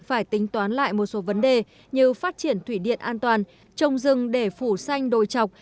phải tính toán lại một số vấn đề như phát triển thủy điện an toàn trồng rừng để phủ xanh đồi chọc